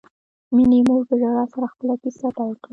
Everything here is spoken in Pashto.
مينې مور په ژړا سره خپله کیسه پیل کړه